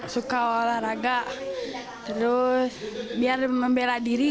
suka olahraga terus biar membela diri